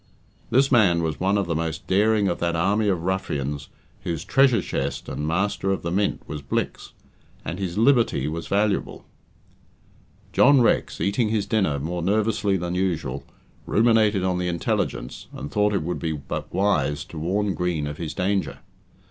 This man was one of the most daring of that army of ruffians whose treasure chest and master of the mint was Blicks, and his liberty was valuable. John Rex, eating his dinner more nervously than usual, ruminated on the intelligence, and thought it would be but wise to warn Green of his danger.